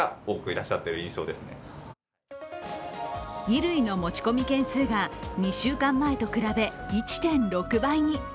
衣類の持ち込み件数が２週間前と比べ１．６倍に。